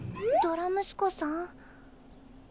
ドラムスコさん？